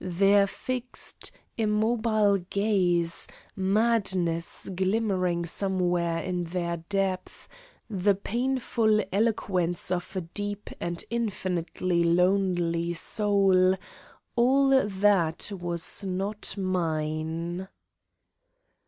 Their fixed, immobile gaze; madness glimmering somewhere in their depth; the painful eloquence of a deep and infinitely lonely soul all that was not mine.